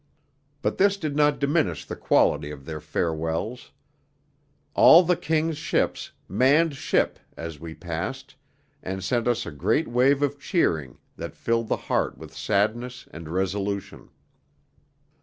But this did not diminish the quality of their farewells. All the King's ships 'manned ship' as we passed, and sent us a great wave of cheering that filled the heart with sadness and resolution.